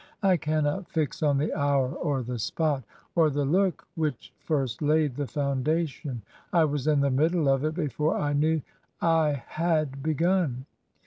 ' I cannot fix on the hour, or the spot, or the look which first laid the foundation. ... I was in the middle of it before I knew I had begun.'